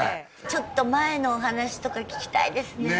ちょっと前のお話とか聞きたいですね